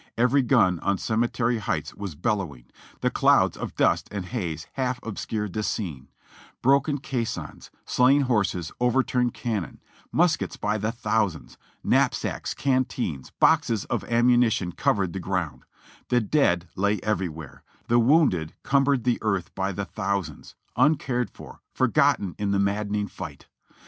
Every gun on Cemetery Heights was bellowing; the clouds of dust and haze half obscured the scene; broken caissons, slain horses, overturned cannon, muskets by the thousands, knapsacks, canteens, boxes of ammunition covered the ground ; the dead lay everywhere, the wounded cumbered the earth by the thousands, uncared for, forgotten in the mad dening tight.